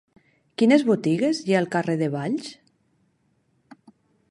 Quines botigues hi ha al carrer de Valls?